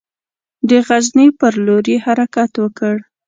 د غزني پر لور یې حرکت وکړ.